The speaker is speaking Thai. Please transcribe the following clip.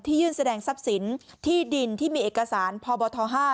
ยื่นแสดงทรัพย์สินที่ดินที่มีเอกสารพบท๕